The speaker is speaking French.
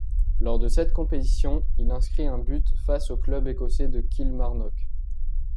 Lors de cette compétition, il inscrit un but face au club écossais de Kilmarnock.